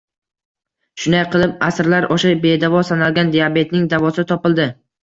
Shunday qilib, asrlar osha bedavo sanalgan diabetning davosi topildi